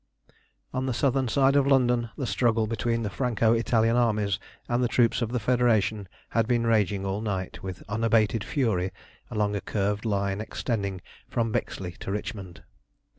On the southern side of London the struggle between the Franco Italian armies and the troops of the Federation had been raging all night with unabated fury along a curved line extending from Bexley to Richmond.